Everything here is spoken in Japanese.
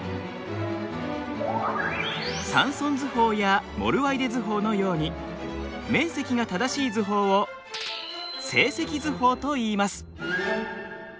サンソン図法やモルワイデ図法のように面積が正しい図法を正積図法といいます。